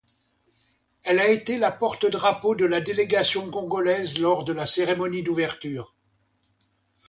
Elle a été la porte-drapeau de la délégation congolaise lors de la cérémonie d'ouverture.